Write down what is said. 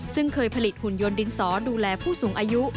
ซึ่งเคยผลิตหุ่นยนต์ดินสอดูแลผู้สูงอายุ